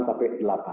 enam sampai delapan